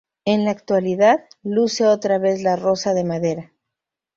En la actualidad, luce otra vez la rosa de madera.